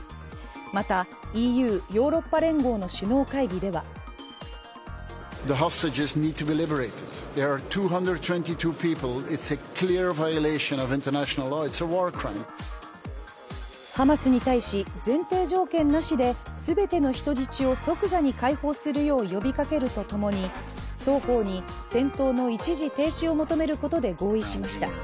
また、ＥＵ＝ヨーロッパ連合の首脳会議ではハマスに対し前提条件なしで全ての人質を即座に解放するよう呼びかけるとともに双方に戦闘の一時停止を求めることで合意しました。